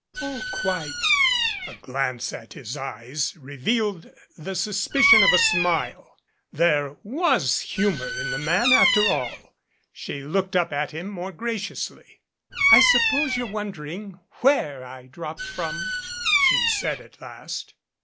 "Oh, quite." A glance at his eyes revealed the suspicion of a smile. There wag humor in the man, after all. She looked up at him more graciously. "I suppose you're wondering where I dropped from,'" she said at last.